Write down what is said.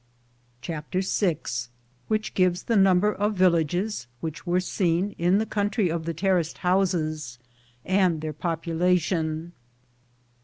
CHAPTER VI Which gives the number of villages which wen seen In the country of the terraced houses, and their population.